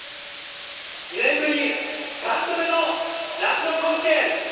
２年ぶり３度目の夏の甲子園。